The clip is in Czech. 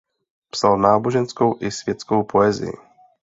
Psal náboženskou i světskou poezii.